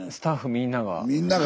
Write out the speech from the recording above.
みんなが。